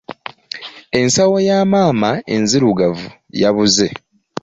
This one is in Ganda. Ensawo ya maama enzirugavu yabuze.